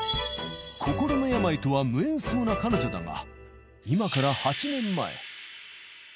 心の病とは無縁そうな彼女だが、今から８年前。